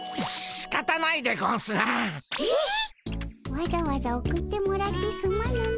わざわざ送ってもらってすまぬの。